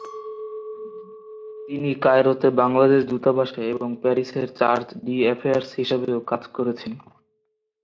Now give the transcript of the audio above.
তিনি কায়রোতে বাংলাদেশ দূতাবাসে এবং প্যারিসের চার্জ-ডি-অ্যাফেয়ার্স হিসাবেও কাজ করেছেন।